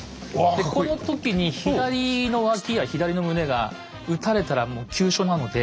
でこの時に左の脇や左の胸がうたれたらもう急所なので。